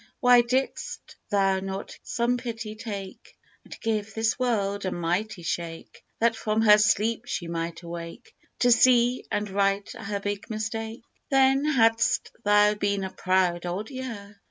Why did'st thou not some pity take, And give this world a mighty shake, That from her sleep she might awake, 32 LIFE WAVES To see and right her big mistake? Then had'st thou been a proud Old Year.